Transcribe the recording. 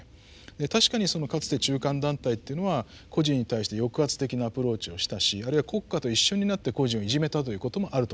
確かにかつて中間団体というのは個人に対して抑圧的なアプローチをしたしあるいは国家と一緒になって個人をいじめたということもあると思います。